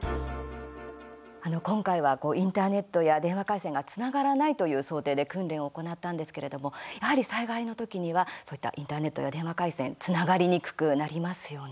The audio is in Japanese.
今回はインターネットや電話回線がつながらないという想定で訓練を行ったんですけれどもやはり災害の時には、そういったインターネットや電話回線つながりにくくなりますよね。